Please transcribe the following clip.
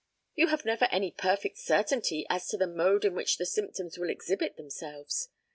You have never any perfect certainty as to the mode in which the symptoms will exhibit themselves.